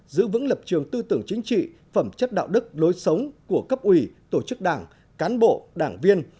giữ vững lập trường tư tưởng chính trị phẩm chất đạo đức lối sống của cấp ủy tổ chức đảng cán bộ đảng viên